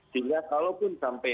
sehingga kalaupun sampai